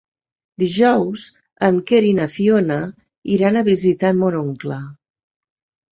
Dijous en Quer i na Fiona iran a visitar mon oncle.